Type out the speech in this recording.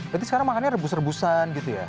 berarti sekarang makannya rebus rebusan gitu ya